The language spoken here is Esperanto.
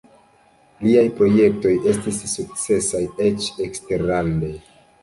Liaj projektoj estis sukcesaj eĉ eksterlande.